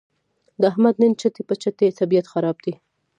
د احمد نن چټي په چټي طبیعت خراب دی.